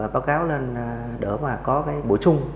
báo cáo lên đỡ mà có cái bổ chung